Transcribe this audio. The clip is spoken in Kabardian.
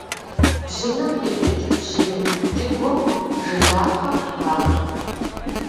Бжьыным къикӏыкӏ бжьын кӏыгум жылапхъэ къыпах.